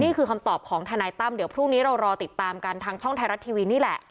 นี่คือคำตอบของทนายตั้มเดี๋ยวพรุ่งนี้เรารอติดตามกันทางช่องไทยรัฐทีวีนี่แหละ